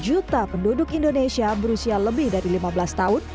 dua puluh juta penduduk indonesia berusia lebih dari lima belas tahun